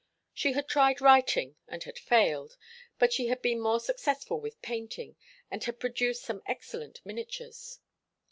She had tried writing and had failed, but she had been more successful with painting, and had produced some excellent miniatures.